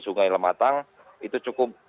sungai lematang itu cukup